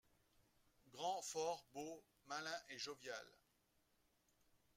Grand, fort, beau, malin et jovial